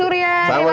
terima kasih pak juri